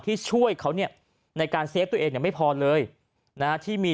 ที่ช่วยเขาเนี่ยในการเซฟตัวเองเนี่ยไม่พอเลยนะที่มี